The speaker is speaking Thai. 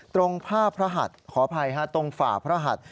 ตรงผ้าพระหัดขออภัยตรงฝ่าพระหัด